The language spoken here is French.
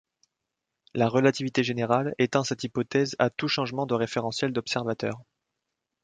La relativité générale étend cette hypothèse à tout changement de référentiel d'observateur.